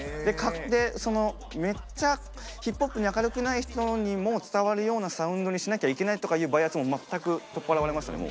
でそのめっちゃＨＩＰＨＯＰに明るくない人にも伝わるようなサウンドにしなきゃいけないとかいうバイアスも全く取っ払われましたね